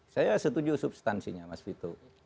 saya setuju substansinya mas vito